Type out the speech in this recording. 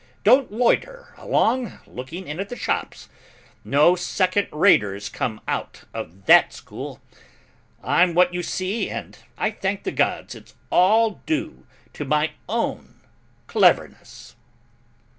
Don't loiter along looking in at the shops. No second raters came out of that school. I'm what you see me and I thank the gods it's all due to my own cleverness."